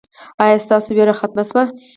ایا ستاسو ویره ختمه شوه؟